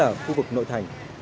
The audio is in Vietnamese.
đó chính là khu vực nội thành